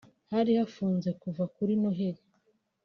hari hafunze kuva kuri Noheli